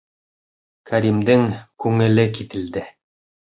Кәримдең күңеле кителде.